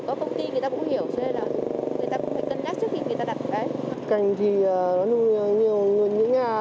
có công ty người ta cũng hiểu